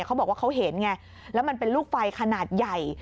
เขาบอกว่าเขาเห็นไงแล้วมันเป็นลูกไฟขนาดใหญ่